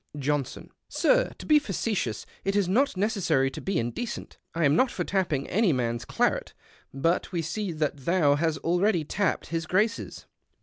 Johnson. —" Sir, to be facetious, it is not necessary to be indecent. I am not for tapj)ing any mans claret, but we see that thou hast already tapped his Grace's."